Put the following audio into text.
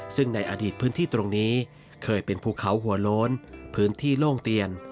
ซึ่งในอดีตพื้นที่ตรงนี้เคยเป็นภูเขาหัวโล้นพื้นที่โล่งเตียน